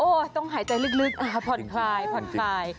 โอ้ต้องหายใจลึกอ่ะผ่อนคลาย